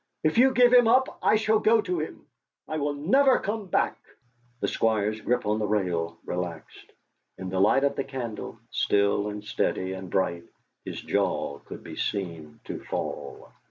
"If you give him up, I shall go to him; I will never come back!" The Squire's grip on the rail relaxed; in the light of the candle, still and steady and bright his jaw could be seen to fall.